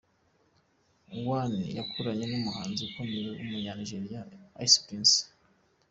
One’ yakoranye n’umuhanzi ukomeye w’umunya Nigeria Ice Prince.